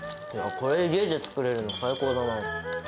これが家で作れるの、最高だな。